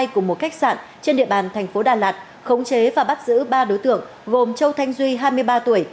của một khách sạn trên địa bàn thành phố đà lạt khống chế và bắt giữ ba đối tượng gồm châu thanh duy hai mươi ba tuổi